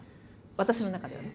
私の中ではね。